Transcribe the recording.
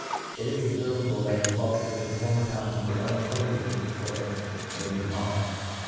It is obfervable, that the faulconers of former times were unacquainted with this way of ma king hawks.